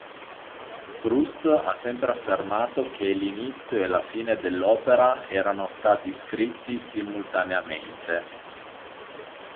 Proust ha sempre affermato che l'inizio e la fine dell'opera erano stati scritti simultaneamente.